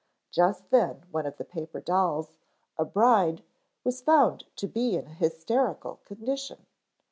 Just then one of the paper dolls, a bride, was found to be in an hysterical condition.